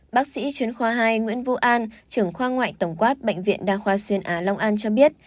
bác sĩ chuyên khoa hai nguyễn vũ an trưởng khoa ngoại tổng quát bệnh viện đa khoa xuyên á long an cho biết